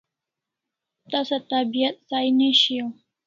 Tasa tabiat sahi ne shiau